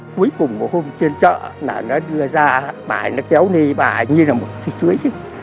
cuối cùng một hôm chuyên trợ nó đưa ra bài nó kéo đi bài như là một thuyết chuối chứ